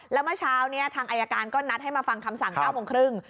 แล้วเมื่อเช้านี้ทางอายการก็นัดให้มาฟังคำสั่ง๙โมงครึ่ง